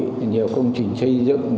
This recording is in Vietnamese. rất là nhiều công trình chây dựng